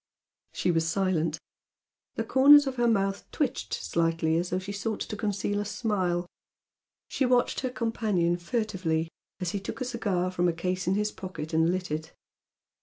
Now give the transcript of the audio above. She was silent. The corners of her mouth twitched slightly as though she sought to conceal a smile. She watched her companion furtively as he took a cigar from a case in his pocket and lit it.